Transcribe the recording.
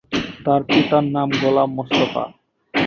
তার পিতার নাম গোলাম মোস্তফা।